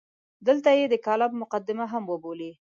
دلته یې د کالم مقدمه هم وبولئ.